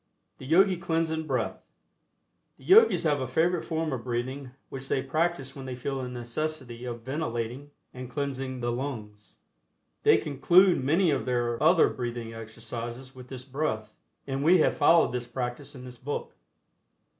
THE YOGI CLEANSING BREATH. The Yogis have a favorite form of breathing which they practice when they feel the necessity of ventilating and cleansing the lungs. They conclude many of their other breathing exercises with this breath, and we have followed this practice in this book.